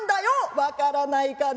「分からないかね？